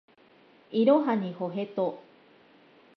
いろはにほへと